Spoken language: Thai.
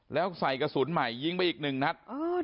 แล้วใส่กระสุนใหม่ยิงไปอีกหนึ่งนัด